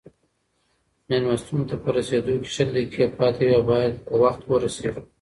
مېلمستون ته په رسېدو کې شل دقیقې پاتې دي او باید په وخت ورسېږو.